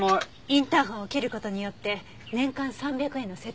インターホンを切る事によって年間３００円の節約になるんだって。